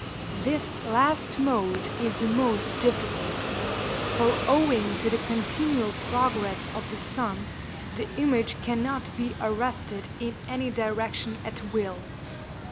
This last mode is the most difficult; for owing to the continual progress of the sun, the image cannot be arrested in any direction at will.